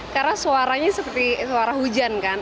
karena suaranya seperti suara hujan kan